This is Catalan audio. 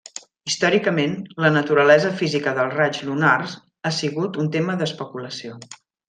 Històricament, la naturalesa física dels raigs lunars ha sigut un tema d'especulació.